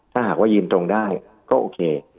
ถ้าหากว่ายืนตรงได้ก็โอเค